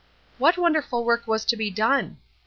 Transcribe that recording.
What wonderful work was to be done?